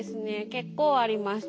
結構ありました。